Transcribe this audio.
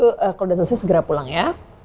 kalau sudah selesai segera pulang ya